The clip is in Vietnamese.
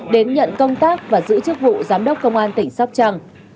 đến nhận công tác và giữ chức vụ giám đốc công an tỉnh sóc trăng